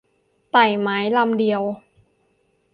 ไต่ไม้ลำเดียว